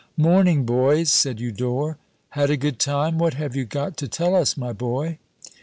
"Morning, boys," said Eudore. "Had a good time? What have you got to tell us, my boy?"